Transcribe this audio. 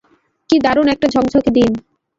কী দারুণ একটা ঝকঝকে দিন!